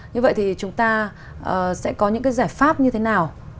như vậy thì chúng ta sẽ có những cái giải pháp như thế nào